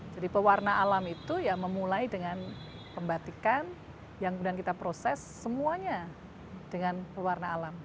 jadi pewarna alam itu ya memulai dengan pembatikan yang kita proses semuanya dengan pewarna alam